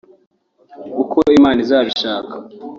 ” Uko Imana izabishaka